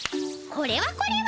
これはこれは。